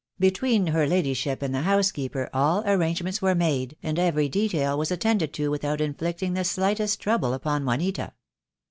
Between her ladyship and the housekeeper all arrangements were made, and every detail was at tended to without inflicting the slightest trouble upon Juanita.